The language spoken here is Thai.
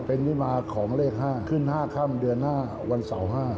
เป็นที่มาของเลข๕ขึ้น๕ค่ำเดือน๕วันเสาร์๕